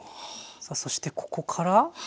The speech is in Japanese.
さあそしてここから。